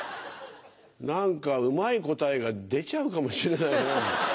何かうまい答えが出ちゃうかもしれないな。